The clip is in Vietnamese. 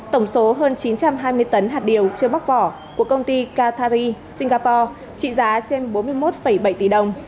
tổng số hơn chín trăm hai mươi tấn hạt điều chưa bóc vỏ của công ty catary singapore trị giá trên bốn mươi một bảy tỷ đồng